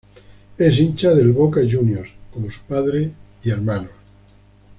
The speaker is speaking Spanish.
Es hincha de Boca Juniors como su padre y hermanos.